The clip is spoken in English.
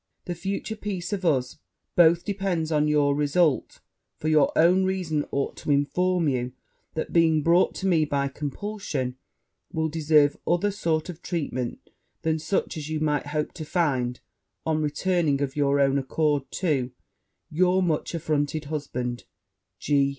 The future peace of us both depends on your result; for your own reason ought to inform you, that being brought to me by compulsion will deserve other sort of treatment than such as you might hope to find on returning of your own accord to your much affronted husband, G.